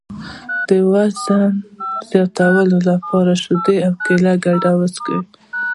د وزن زیاتولو لپاره د شیدو او کیلې ګډول وڅښئ